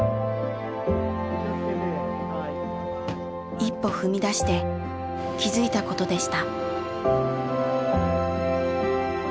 一歩踏み出して気付いたことでした。